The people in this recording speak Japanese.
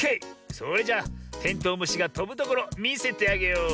それじゃテントウムシがとぶところみせてあげよう。